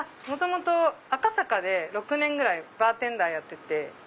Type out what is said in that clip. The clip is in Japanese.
元々赤坂で６年ぐらいバーテンダーやってて。